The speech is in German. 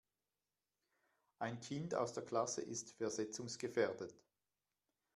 Ein Kind aus der Klasse ist versetzungsgefährdet.